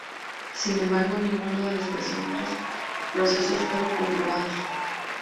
Sin embargo ninguno de los presuntos procesos fueron comprobados.